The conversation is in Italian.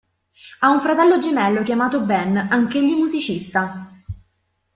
Ha un fratello gemello chiamato Ben, anch' egli musicista.